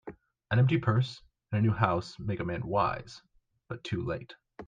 An empty purse, and a new house, make a man wise, but too late.